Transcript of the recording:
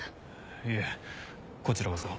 いえこちらこそ。